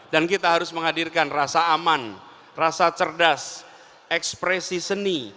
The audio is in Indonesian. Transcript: dan kita harus menghadirkan rasa aman rasa cerdas ekspresi seni